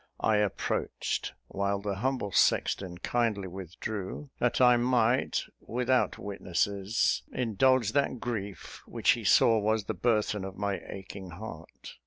I approached, while the humble sexton kindly withdrew, that I might, without witnesses, indulge that grief which he saw was the burthen of my aching heart.